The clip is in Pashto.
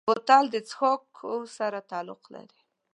بوتل د څښاکو سره تعلق لري.